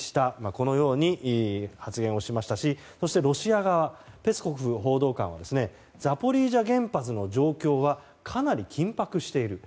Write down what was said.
このように発言をしましたしそして、ロシア側ペスコフ報道官はザポリージャ原発の状況はかなり緊迫している。